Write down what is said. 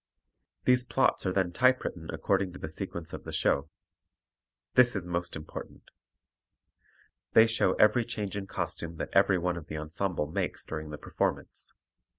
These plots are then typewritten according to the sequence of the show. This is most important. They show every change in costume that every one of the ensemble makes during the performance.